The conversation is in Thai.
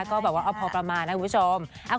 ก็แบบว่าเอาพอประมาณนะคุณผู้ชม